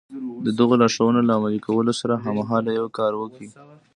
د دغو لارښوونو له عملي کولو سره هممهاله يو کار وکړئ.